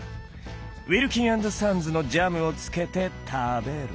ウィルキン＆サンズのジャムをつけて食べる。